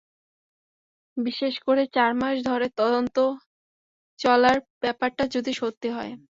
বিশেষ করে চার মাস ধরে তদন্ত চলার ব্যাপারটা যদি সত্যি হয়।